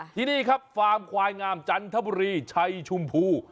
ที่นี่ครับฟาร์มควายงามจันทบุรีชัยชมพู